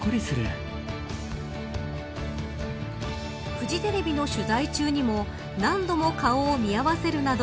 フジテレビの取材中にも何度も顔を見合わせるなど